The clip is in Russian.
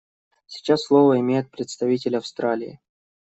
Сейчас слово имеет представитель Австралии.